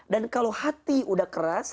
dan kalau hati sudah keras